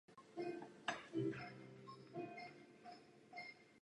Kapela se díky úspěchu tohoto alba stává nedílnou součástí vzrůstající punkové scény v Anglii.